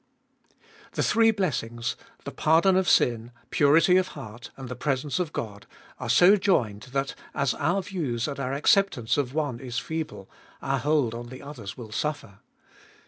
The three blessings — the pardon of sin, purity of heart, and the presence of God — are so joined, that as our views and our acceptance of one is feeble, our hold on the others will suffer.